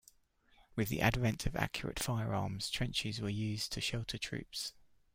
With the advent of accurate firearms, trenches were used to shelter troops.